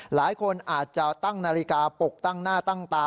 หลายคนอาจจะตั้งนาฬิกาปกตั้งหน้าตั้งตา